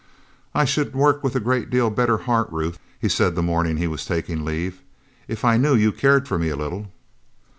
"I should work with a great deal better heart, Ruth," he said the morning he was taking leave, "if I knew you cared for me a little."